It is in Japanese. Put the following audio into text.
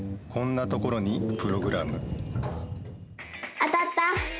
当たった！